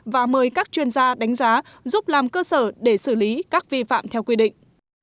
và mời các chuyên gia đánh giá giúp làm cơ sở để xử lý các vi phạm theo quy định